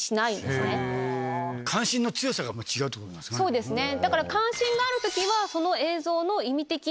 そうですね。